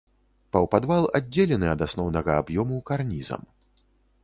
Паўпадвал аддзелены ад асноўнага аб'ёму карнізам.